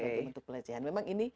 sebagai bentuk pelecehan memang ini